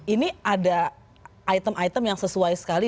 ini ada item item yang sesuai sekali